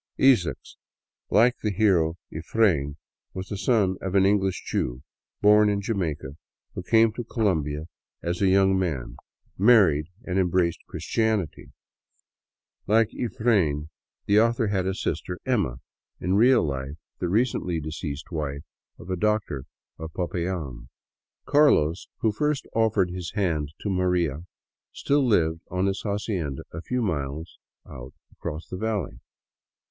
Isaacs, like the hero " Efrain,'* was the son of an English Jew, born in Jamaica, who came to Colombia as a young man, married, and embraced Christianity. 80 ALONG THE CAUCA VALLEY Like '* Efrain," the author had a sister Emma, in real life the recently deceased wife of a doctor of Popayan. " Carlos," who first offered his hand to " Maria," still lived on his hacienda a few miles out across the valley.